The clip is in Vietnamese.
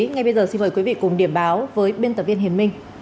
ngay bây giờ xin mời quý vị cùng điểm báo với biên tập viên hiền minh